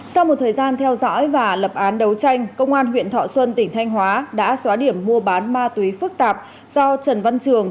sau một thời gian theo dõi và lập án đấu tranh công an huyện thọ xuân tỉnh thanh hóa đã xóa điểm mua bán ma túy phức tạp do trần văn trường